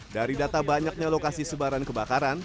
dari data banyaknya lokasi sebaran kebakaran